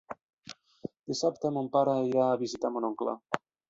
Dissabte mon pare irà a visitar mon oncle.